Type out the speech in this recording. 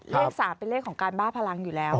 เลข๓เป็นเลขของการบ้าพลังอยู่แล้ว